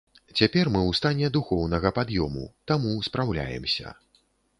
Цяпер мы ў стане духоўнага пад'ёму, таму спраўляемся.